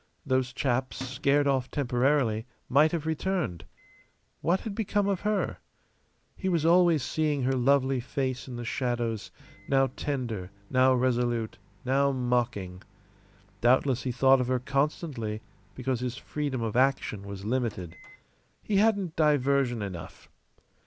Those chaps, scared off temporarily, might have returned. What had become of her? He was always seeing her lovely face in the shadows, now tender, now resolute, now mocking. Doubtless he thought of her constantly because his freedom of action was limited. He hadn't diversion enough.